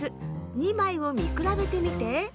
２まいをみくらべてみて。